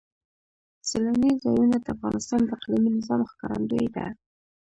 سیلانی ځایونه د افغانستان د اقلیمي نظام ښکارندوی ده.